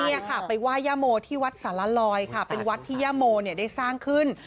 นี่ค่ะไปไหว้ย่าโมที่วัดสารลอยค่ะเป็นวัดที่ย่าโมเนี่ยได้สร้างขึ้น